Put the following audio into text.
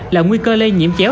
là nguy cơ lây nhiễm chéo